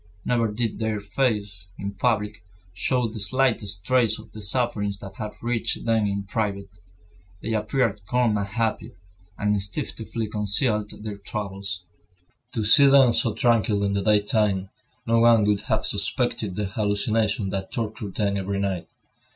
Never did their faces, in public, show the slightest trace of the sufferings that had reached them in private. They appeared calm and happy, and instinctively concealed their troubles. To see them so tranquil in the daytime, no one would have suspected the hallucinations that tortured them every night.